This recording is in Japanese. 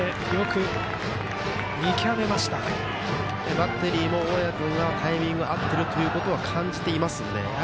バッテリーも、大矢がタイミング合っていることは感じていますので。